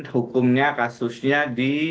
hukumnya kasusnya di